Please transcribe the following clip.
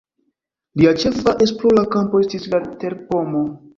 Lia ĉefa esplora kampo estis la terpomo.